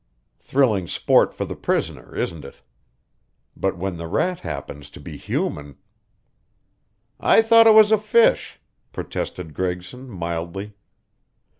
Thrilling sport for the prisoner, isn't it? But when the rat happens to be human " "I thought it was a fish," protested Gregson, mildly.